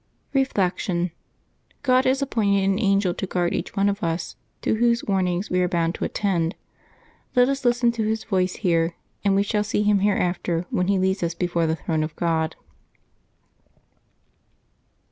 Reflection. — God has appointed an angel to guard each one of us, to whose warnings we are bound to attend. Let us listen to his voice here, and we shall see him here after when he leads us before the throne of God.